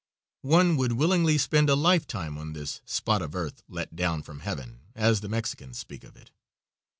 One would willingly spend a lifetime on this "spot of earth let down from heaven," as the Mexicans speak of it.